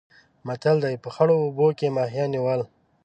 متل دی: په خړو اوبو کې ماهیان نیول.